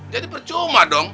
jadi percuma dong